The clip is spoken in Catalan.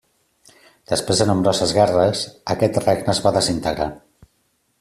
Després de nombroses guerres, aquest regne es va desintegrar.